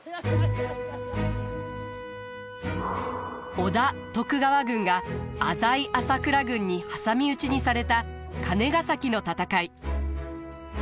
織田徳川軍が浅井朝倉軍に挟み撃ちにされた金ヶ崎の戦い。